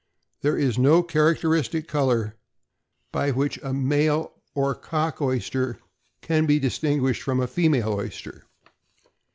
There is no characteristic color by which a male or cock oyster can be distinguished from a female oyster.